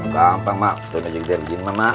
gampang mak udah gak jadi gini mah mak